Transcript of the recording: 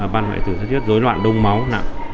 văn hoại tử xuất huyết dối loạn đông máu nặng